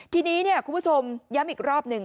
ทีนี้คุณผู้ชมย้ำอีกรอบหนึ่ง